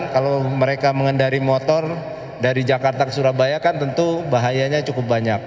kalau mereka mengendari motor dari jakarta ke surabaya kan tentu bahayanya cukup banyak